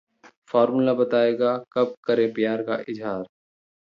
formula बताएगा कब करें प्यार का इजहार